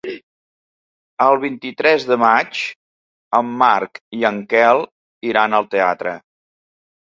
El vint-i-tres de maig en Marc i en Quel iran al teatre.